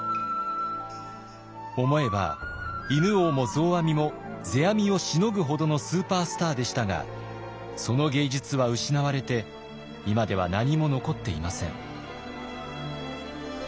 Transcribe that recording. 思えば犬王も増阿弥も世阿弥をしのぐほどのスーパースターでしたがその芸術は失われて今では何も残っていません。